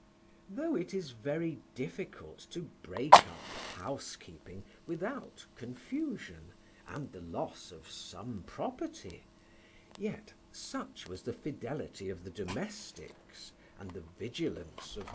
Though it is very difficult to break up housekeeping without confusion, and the loss of some property; yet such was the fidelity of the domestics, and the vigilance of M.